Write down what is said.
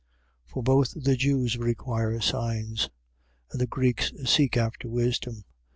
1:22. For both the Jews require signs: and the Greeks seek after wisdom.